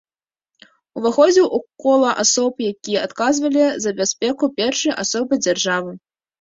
Уваходзіў у кола асоб, якія адказвалі за бяспеку першай асобы дзяржавы.